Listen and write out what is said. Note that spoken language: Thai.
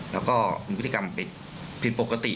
แล้วก็มีพฤติกรรมผิดปกติ